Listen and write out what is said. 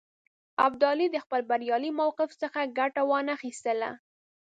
ابدالي د خپل بریالي موقف څخه ګټه وانه خیستله.